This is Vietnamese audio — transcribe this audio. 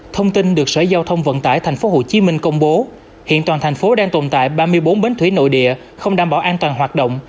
thông tin được sở giao thông vận tải tp hcm công bố hiện toàn thành phố đang tồn tại ba mươi bốn bến thủy nội địa không đảm bảo an toàn hoạt động